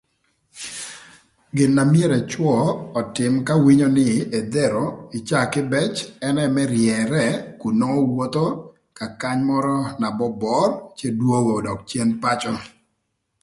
Gin na myero ëcwö ötïm ka winyo nï edhero caa kïbëc ënë më ryërë kun nwongo wotho kakany mörö na bobor cë dwongo dök cen pacö.